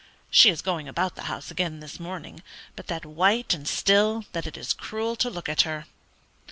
She is going about the house again this morning, but that white and still that it is cruel to look at her.